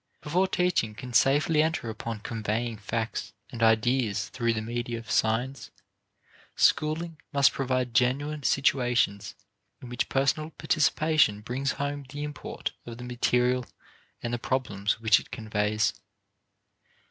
Before teaching can safely enter upon conveying facts and ideas through the media of signs, schooling must provide genuine situations in which personal participation brings home the import of the material and the problems which it conveys.